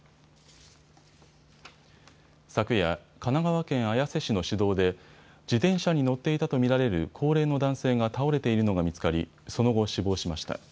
昨夜、神奈川県綾瀬市の市道で自転車に乗っていたと見られる高齢の男性が倒れているのが見つかりその後、死亡しました。